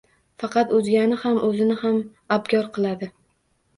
Faqat o’zgani ham, o’zini ham abgor qiladi.